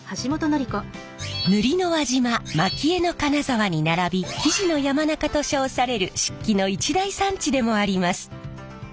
塗りの輪島蒔絵の金沢に並び木地の山中と称される漆器の一大産地でもあります。